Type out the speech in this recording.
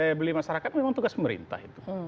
ya kalau beli masyarakat memang tugas pemerintah itu